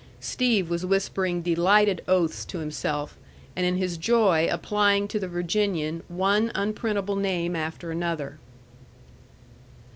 Steve was whispering delighted oaths to himself, and in his joy applying to the Virginian one unprintable name after another.